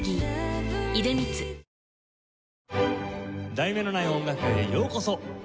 『題名のない音楽会』へようこそ！